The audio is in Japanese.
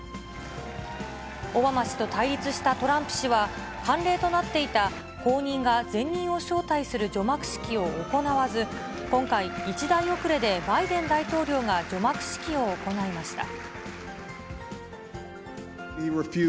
オバマ氏と対立したトランプ氏は、慣例となっていた、後任が前任を招待する除幕式を行わず、今回、一代遅れでバイデン大統領が除幕式を行いました。